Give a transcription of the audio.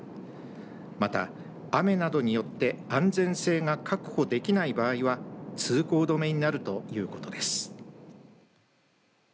また、雨などによって安全性が確保できない場合は通行止めになるということです。